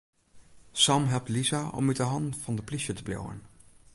Sam helpt Lisa om út 'e hannen fan de plysje te bliuwen.